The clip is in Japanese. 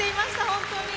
本当に。